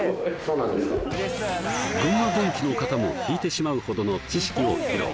群馬電機の方も引いてしまうほどの知識を披露